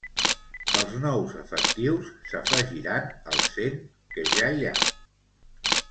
Els nous efectius s'afegiran als cent que ja hi ha.